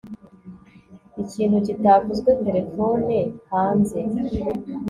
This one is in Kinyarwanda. ikintu kitavuzwe terefone hanze